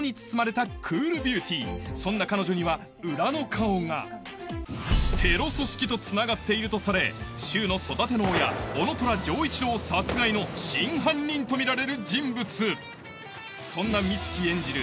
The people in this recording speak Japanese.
そんな彼女には裏の顔がテロ組織と繋がっているとされ柊の育ての親男虎丈一郎殺害の真犯人とみられる人物そんな美月演じる